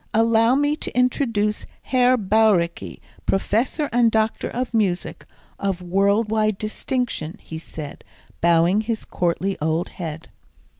"Allow me to introduce Herr Bauricke, Professor and Doctor of Music, of world wide distinction," he said, bowing his courtly old head.